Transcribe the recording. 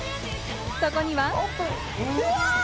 そこには。